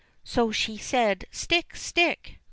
So she said, "Stick! stick!